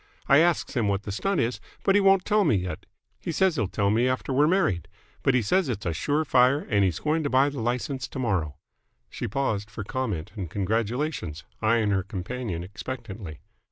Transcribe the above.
I asks him what the stunt is, but he won't tell me yet. He says he'll tell me after we're married, but he says it's sure fire and he's going to buy the license tomorrow." She paused for comment and congratulations, eyeing her companion expectantly.